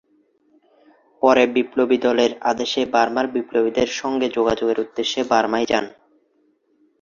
পরে বিপ্লবী দলের আদেশে বার্মার বিপ্লবীদের সংগে যোগাযোগের উদ্দেশ্যে বার্মায় যান।